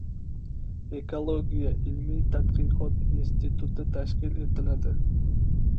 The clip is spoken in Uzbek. Ekologiya ilmiy-tadqiqot instituti tashkil etiladi